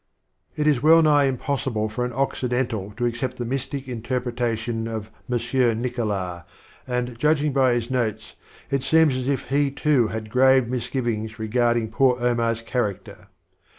It is well nigh impossible for an Occidental to accept the mystic interpretation of M. Nicolas, and judging by his notes it seems as if he too had grave misgivings regarding poor Omar's character.